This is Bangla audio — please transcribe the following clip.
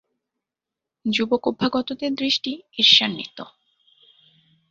যুবক-অভ্যাগতদের দৃষ্টি ঈর্ষান্বিত।